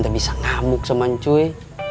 teh bisa ngamuk sama cuy